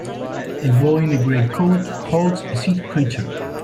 A boy in a gray coat holds a sea creature.